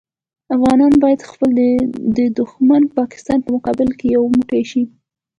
افغانان باید خپل د دوښمن پاکستان په مقابل کې یو موټی شي.